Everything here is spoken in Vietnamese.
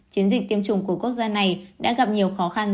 chiến dịch tiêm chủng của quốc gia này đã gặp nhiều khó khăn